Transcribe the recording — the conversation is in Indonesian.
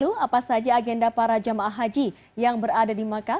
halo apa saja agenda para jamaah haji yang berada di makkah